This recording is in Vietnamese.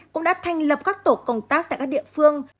cũng đã thành lập các tổ công tác tại các địa phương